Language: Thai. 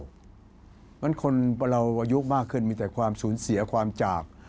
เพราะฉะนั้นคนเราอายุมากขึ้นมีแต่ความสูญเสียความจาก